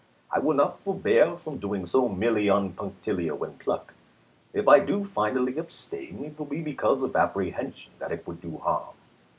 I will not forbear from doing so merely on punctilio and pluck. If I do finally abstain, it will be because of appre hension that it would do harm.